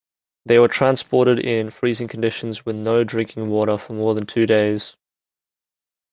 They were transported in freezing conditions with no drinking-water for more than two days.